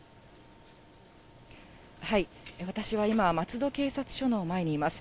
私は今、松戸警察署の前にいます。